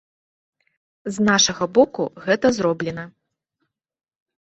З нашага боку гэта зроблена.